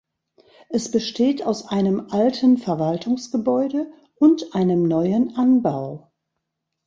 Es besteht aus einem alten Verwaltungsgebäude und einem neuen Anbau.